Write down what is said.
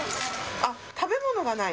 あ、食べ物がない？